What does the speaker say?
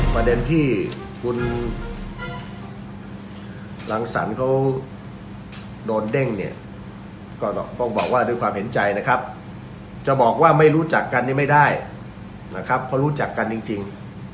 ประเด็นที่คุณรังสรรค์เขาโดนเด้งเนี่ยก็ต้องบอกว่าด้วยความเห็นใจนะครับจะบอกว่าไม่รู้จักกันนี่ไม่ได้นะครับเพราะรู้จักกันจริง